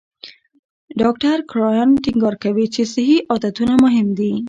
ډاکټر کرایان ټینګار کوي چې صحي عادتونه مهم دي.